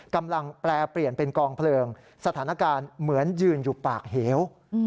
แปลเปลี่ยนเป็นกองเพลิงสถานการณ์เหมือนยืนอยู่ปากเหว